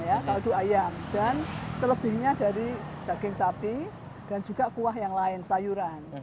atau adu ayam dan selebihnya dari saging sapi dan juga kuah yang lain sayuran